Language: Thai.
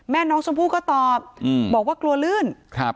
แม่น้องชมพู่ก็ตอบบอกว่ากลัวลื่นครับ